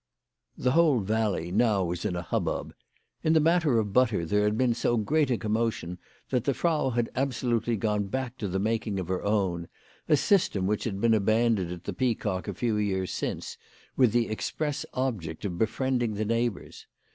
The whole valley now was in a hubbub. In the matter of butter there had been so great a commotion that the Frau had absolutely gone back to the making of her own, a system which had been abandoned at the Peacock a few years since, with the express object of befriending the neighbours.